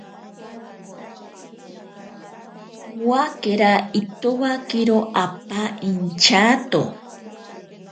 Owakera itowakero apa inchato.